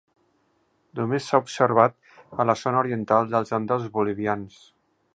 Només s'ha observat a la zona oriental dels Andes bolivians.